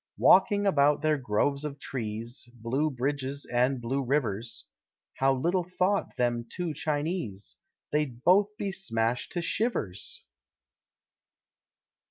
Walking about their groves of trees, Blue bridges and blue rivers, How little thought them two Chinese, They'd both be smashed to shivers!